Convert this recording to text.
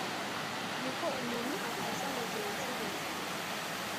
ni ko umuntu akaza mugenzi we